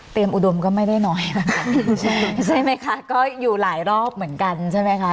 อุดมก็ไม่ได้น้อยนะคะใช่ไหมคะก็อยู่หลายรอบเหมือนกันใช่ไหมคะ